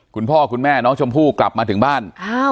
คุณพ่อคุณแม่น้องชมพู่กลับมาถึงบ้าน